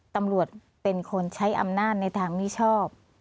ตำรวจเป็นคนใช้อำนาจในทางมิชอบ